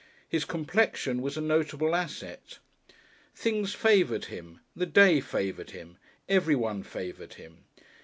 His complexion was a notable asset. Things favoured him, the day favoured him, everyone favoured him.